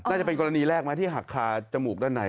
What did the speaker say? น่าจะเป็นกรณีแรกไหมที่หักคาจมูกด้านใน